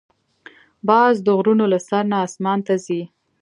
باز د غرونو له سر نه آسمان ته ځي